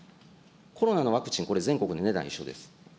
コロナのワクチン、これ、全国で値段一緒です。